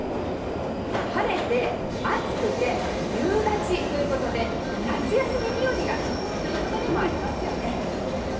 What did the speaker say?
晴れて暑くて夕立ということで夏休み日和が続くということでもありますね。